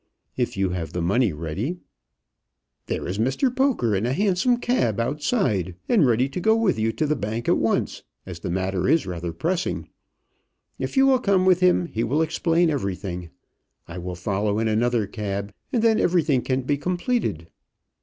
"If you have the money ready." "There is Mr Poker in a hansom cab outside, and ready to go with you to the bank at once, as the matter is rather pressing. If you will come with him, he will explain everything. I will follow in another cab, and then everything can be completed."